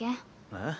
えっ？